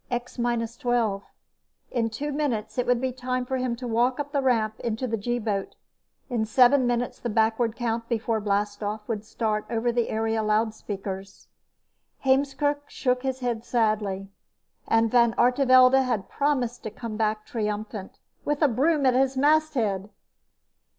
X minus twelve. In two minutes, it would be time for him to walk up the ramp into the G boat. In seven minutes the backward count before blastoff would start over the area loudspeakers. Heemskerk shook his head sadly. And Van Artevelde had promised to come back triumphant, with a broom at his masthead!